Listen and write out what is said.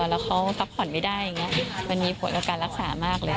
แล้วเขาพักผ่อนไม่ได้อย่างนี้มันมีผลกับการรักษามากเลย